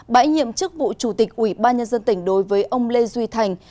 bãi nhiệm chức vụ chủ tịch ủy ban nhân dân tỉnh đối với ông lê duy thành